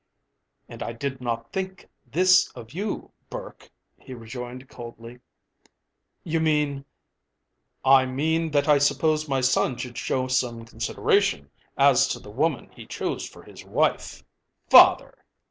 "And I did not think this of you, Burke," he rejoined coldly. "You mean " "I mean that I supposed my son would show some consideration as to the woman he chose for his wife." "Father!"